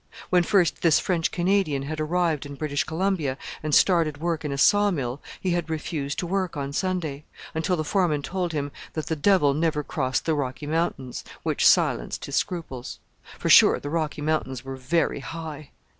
When first this French Canadian had arrived in British Columbia, and started work in a saw mill, he had refused to work on Sunday, until the foreman told him that the devil never crossed the Rocky Mountains which silenced his scruples. For sure, the Rocky Mountains were very high!